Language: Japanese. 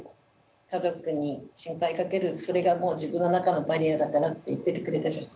家族に心配かけるそれがもう自分の中のバリアだからって言っててくれたじゃん。